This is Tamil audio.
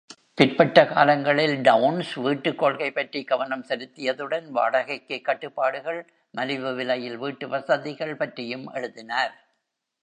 பிற்பட்ட காலங்களில் டவுன்ஸ் வீட்டுக் கொள்கை பற்றி கவனம் செலுத்தியதுடன், வாடகைக்கு கட்டுப்பாடுகள் மலிவு விலையில் வீட்டு வசதிகள் பற்றியும் எழுதினார்.